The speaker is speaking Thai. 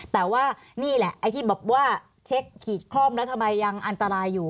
แต่ว่านี่แหละไอ้ที่บอกว่าเช็คขีดคล่อมแล้วทำไมยังอันตรายอยู่